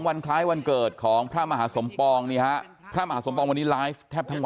วันคล้ายวันเกิดของพระมหาศมปองพระมหาศมปองวันนี้ไลฟ์แค่ทั้ง